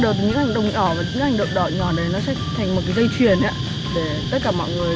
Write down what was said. đầu từ những hành động nhỏ và những hành động đỏ nhỏ này nó sẽ thành một dây chuyền để tất cả mọi người